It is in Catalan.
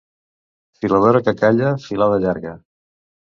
Filadora que calla, filada llarga.